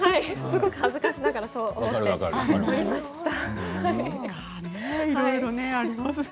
すごく恥ずかしながらそう思っていました。